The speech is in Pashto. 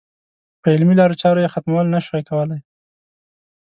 په علمي لارو چارو یې ختمول نه شوای کولای.